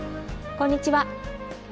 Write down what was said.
こんにちは。